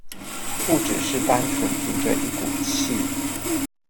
不只是單純憑著一股氣